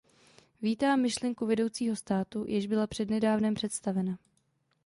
Vítám myšlenku vedoucího státu, jež byla před nedávnem představena.